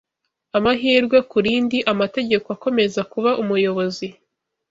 Amahirwe kurindi, Amategeko akomeza kuba umuyobozi